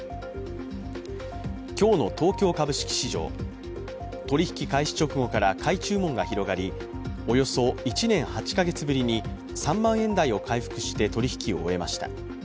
今日の東京株式市場、取引開始直後から買い注文が広がりおよそ１年８か月ぶりに３万円台を回復して取り引きを終えました。